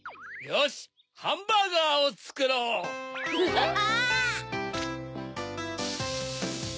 よしハンバーガーをつくろう！わ！